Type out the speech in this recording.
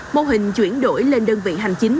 mô hình chuyển đổi lên đơn vị hành chính